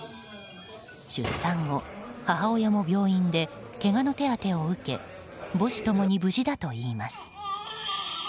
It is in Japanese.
出産後、母親も病院でけがの手当てを受け母子ともに無事だといいます。